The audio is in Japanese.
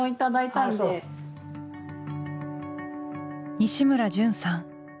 西村潤さん。